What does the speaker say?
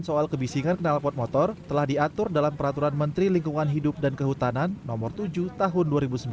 soal kebisingan kenalpot motor telah diatur dalam peraturan menteri lingkungan hidup dan kehutanan no tujuh tahun dua ribu sembilan